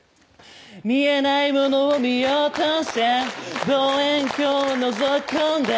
「見えないモノを見ようとして望遠鏡を覗き込んだ」